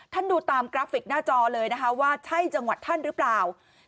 ดูตามกราฟิกหน้าจอเลยนะคะว่าใช่จังหวัดท่านหรือเปล่า